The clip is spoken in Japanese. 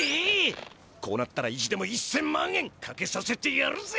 こうなったら意地でも１，０００万円かけさせてやるぜ！